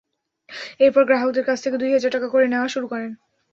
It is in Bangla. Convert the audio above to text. এরপর গ্রাহকদের কাছ থেকে দুই হাজার টাকা করে নেওয়া শুরু করেন।